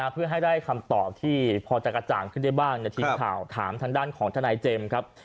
เพื่อให้ได้คำตอบที่พอจะกระจ่างขึ้นได้บ้างในทีมข่าวถามทางด้านของทนายเจมส์ครับ